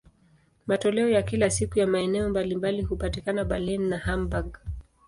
Matoleo ya kila siku ya maeneo mbalimbali hupatikana Berlin na Hamburg.